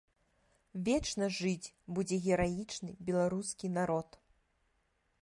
Вечна жыць будзе гераічны беларускі народ.